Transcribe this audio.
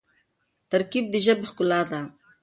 ترکیب د ژبي ښکلا ده.